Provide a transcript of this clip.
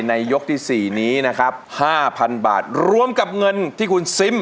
ในยกที่สี่นี้นะครับห้าพันบาทรวมกับเงินที่คุณซิม